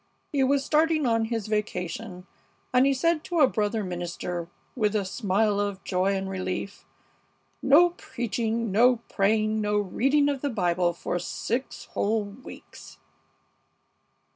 He was starting on his vacation, and he said to a brother minister, with a smile of joy and relief, 'No preaching, no praying, no reading of the Bible for six whole weeks!'"